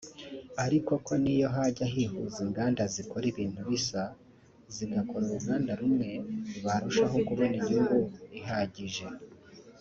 ariko ko n’iyo hajya hihuza inganda zikora ibintu bisa zigakora uruganda rumwe barushaho kubona inyungu ihagije